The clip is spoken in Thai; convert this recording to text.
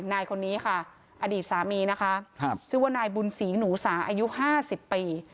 นายคนนี้ค่ะอดีตสามีนะคะครับซึ่งว่านายบุญศรีหนูสาวอายุห้าสิบปี